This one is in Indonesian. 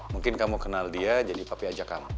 mungkin kamu kenal dia jadi papi aja kamu